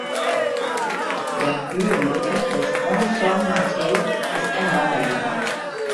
Der Höhenrücken des Grand Som Martel ist ein Wandergebiet.